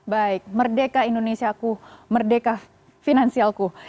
baik merdeka indonesia ku merdeka finansialku